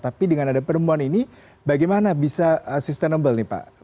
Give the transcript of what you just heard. tapi dengan ada penemuan ini bagaimana bisa sustainable nih pak